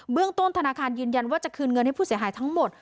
เรื่องต้นธนาคารยืนยันว่าจะคืนเงินให้ผู้เสียหายทั้งหมด